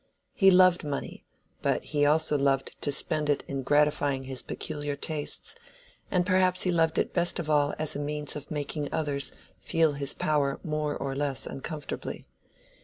He loved money, but he also loved to spend it in gratifying his peculiar tastes, and perhaps he loved it best of all as a means of making others feel his power more or less uncomfortably.